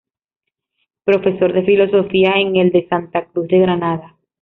Profesor de Filosofía en el de Santa Cruz, de Granada.